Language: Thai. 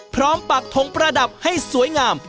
พร้อมปากถงประดับให้สวยงาม